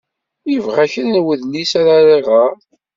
Yebɣa kra n wedlis ara iɣer.